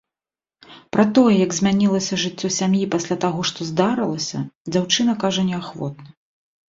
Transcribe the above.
Пра тое, як змянілася жыццё сям'і пасля таго, што здарылася, дзяўчына кажа неахвотна.